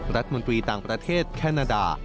รัฐมนตรีต่างประเทศแคนาดา